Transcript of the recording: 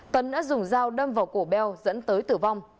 tấn đã dùng dao đâm vào cổ beo dẫn tới tử vong